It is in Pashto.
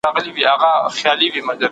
دا د نیکمرغیو کور